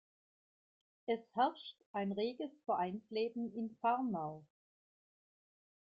Es herrscht ein reges Vereinsleben in Fahrnau.